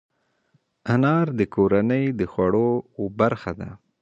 انار د کورنۍ د خوړو برخه ده.